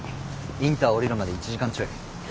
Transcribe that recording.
インター降りるまで１時間ちょい。